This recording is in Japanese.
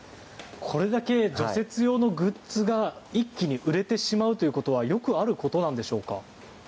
これだけ除雪用のグッズが一気に売れてしまうということはよくあることなんでしょうか。